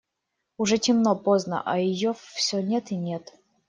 Уже темно, поздно, а ее все нет и нет.